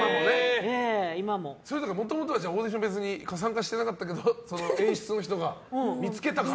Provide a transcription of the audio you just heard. もともとはオーディションに参加してなかったけど演出の人が見つけたから。